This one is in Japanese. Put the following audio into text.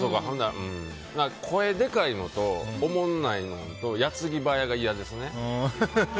声でかいのとおもんないのと矢継ぎ早が嫌ですね。